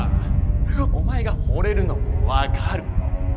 お前が惚れるのも分かるよ。